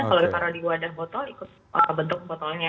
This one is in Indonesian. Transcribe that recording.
kalau kita taruh di wadah botol ikut bentuk botolnya